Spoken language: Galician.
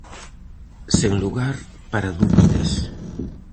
Sen lugar para dúbidas.